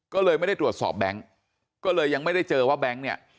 ก็เลยไม่ได้ตรวจสอบแบงค์ก็เลยยังไม่ได้เจอว่าแบงค์เนี่ย